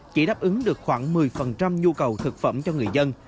chỉ đáp ứng được khoảng một mươi nhu cầu thực phẩm cho người dân